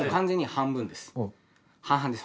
半々です。